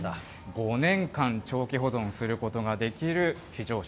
５年間長期保存することができる非常食。